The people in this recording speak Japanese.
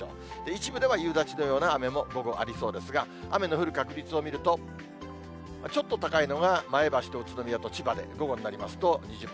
一部では夕立のような雨も午後、ありそうですが、雨の降る確率を見ると、ちょっと高いのが前橋と宇都宮と千葉で、午後になりますと２０％。